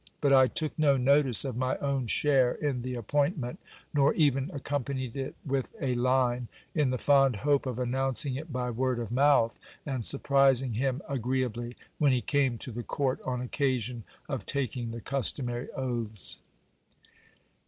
But I took no notice of my own share in the appointment, nor even accompanied it with a line, in the fond hope of announcing it by word of mouth, and surprising him figreeably, when he came to the court on occasion of taking the customary oaths.